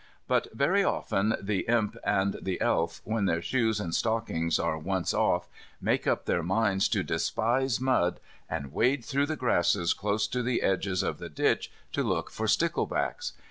But very often the Imp and the Elf, when their shoes and stockings are once off, make up their minds to despise mud, and wade through the grasses close to the edges of the ditch to look for sticklebacks.